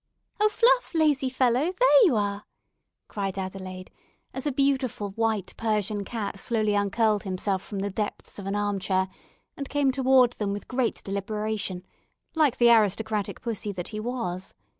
"Oh, Fluff, lazy fellow, there you are," cried Adelaide, as a beautiful white Persian cat slowly uncurled himself from the depths of an armchair and came toward them with great deliberation, like the aristocratic pussy that he was.